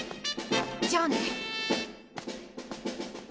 じゃあね。